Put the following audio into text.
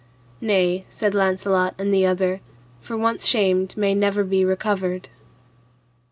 Nay, said Launcelot and the other, for once shamed may never be recovered.